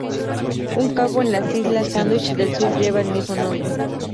Un cabo en las islas Sandwich del Sur lleva el mismo nombre.